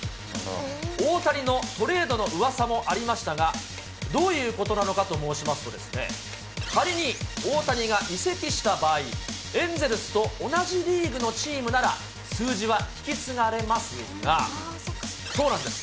大谷のトレードのうわさもありましたが、どういうことなのかと申しますとですね、仮に大谷が移籍した場合、エンゼルスと同じリーグのチームなら、数字は引き継がれますが、そうなんです。